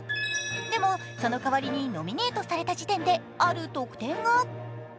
でもその代わりにノミネートされた時点である特典が。